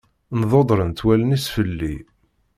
Ndudrent wallen-is fell-i.